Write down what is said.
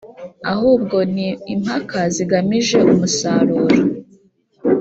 Ahubwo ni impaka zigamije umusaruro